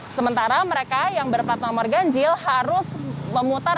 sementara mereka yang berplat nomor ganjil harus memutar